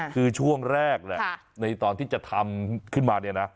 คือช่วงแรกแหละในตอนที่จะทำขึ้นมาเนี่ยนะ